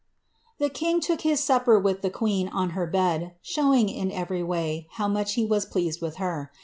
The king took his supper with the queen on her bed, showing, in erery way, how much he was pleased with her.